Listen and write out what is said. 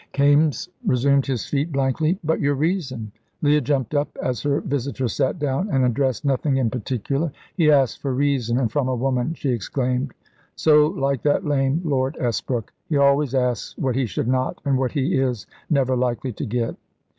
Kaimes resumed his seat blankly. "But your reason?" Leah jumped up as her visitor sat down, and addressed nothing in particular. "He asks for reason, and from a woman," she exclaimed. "So like that lame Lord Esbrook; he always asks what he should not and what he is never likely to get."